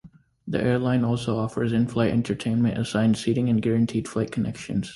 The airline also offers in-flight entertainment, assigned seating and guaranteed flight connections.